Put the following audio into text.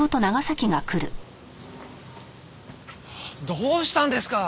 どうしたんですか？